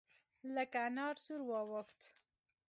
لکه انار سور واوښت.